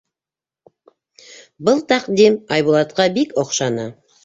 Был тәҡдим Айбулатҡа бик оҡшаны.